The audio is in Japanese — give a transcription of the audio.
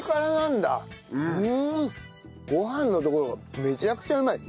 ご飯のところがめちゃくちゃうまい。